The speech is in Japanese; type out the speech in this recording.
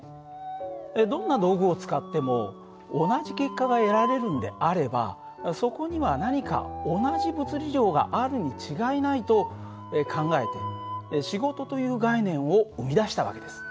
どんな道具を使っても同じ結果が得られるんであればそこには何か同じ物理量があるに違いないと考えて仕事という概念を生み出した訳です。